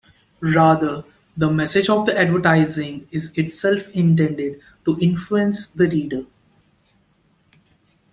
Rather, the message of the advertising is itself intended to influence the reader.